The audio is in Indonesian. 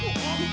ya udah bang